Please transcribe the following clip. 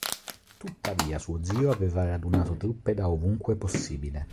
Tuttavia suo zio aveva radunato truppe da ovunque possibile.